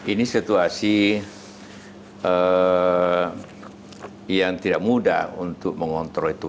ini situasi yang tidak mudah untuk mengontrol itu